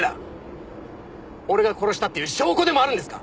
俺が殺したっていう証拠でもあるんですか？